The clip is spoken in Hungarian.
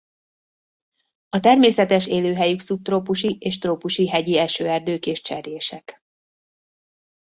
A természetes élőhelyük szubtrópusi és trópusi hegyi esőerdők és cserjések.